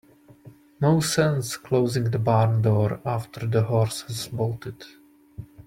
No sense closing the barn door after the horse has bolted.